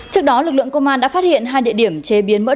trước đó lực lượng công an đã phát hiện hai địa điểm chế biến mỡ động vật